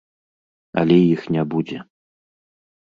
Але іх не будзе.